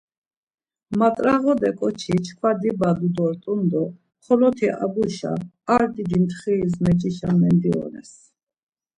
Mat̆rağode ǩoçi çkva dibadu dort̆un do xoloti Abuşa, ar didi ntxiriş mecişa mendiones.